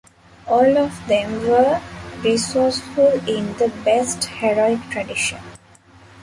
All of them were resourceful in the best heroic tradition.